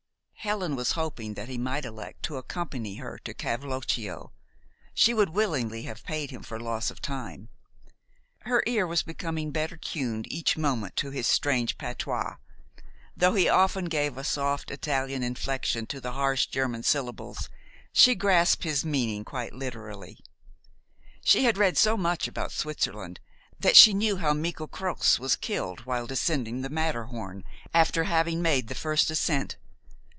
Helen was hoping that he might elect to accompany her to Cavloccio. She would willingly have paid him for loss of time. Her ear was becoming better tuned each moment to his strange patois. Though he often gave a soft Italian inflection to the harsh German syllables, she grasped his meaning quite literally. She had read so much about Switzerland that she knew how Michel Croz was killed while descending the Matterhorn after having made the first ascent.